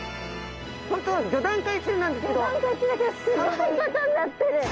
本当は５段階中だけどすごいことになってる。